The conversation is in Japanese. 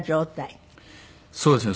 そうですね。